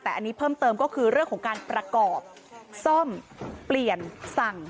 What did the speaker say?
แต่อันนี้เพิ่มเติมก็คือเรื่องของการประกอบซ่อมเปลี่ยนสั่ง